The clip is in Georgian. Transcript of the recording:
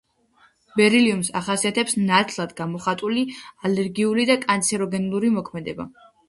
ბერილიუმს ახასიათებს ნათლად გამოხატული ალერგიული და კანცეროგენული მოქმედება.